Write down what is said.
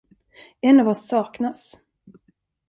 En av oss saknas.